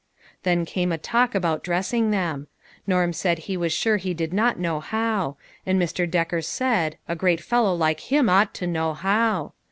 Then came a talk about dressing them. Norm said he was sure he did not know how ; and Mr. Decker said, a great fellow like him ought to know how.